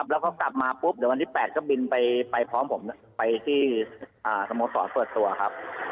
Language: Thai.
แล้วก็กลับมาปุ๊บเดี๋ยววันที่๘ก็บินไปพร้อมผมไปที่สโมสรเปิดตัวครับ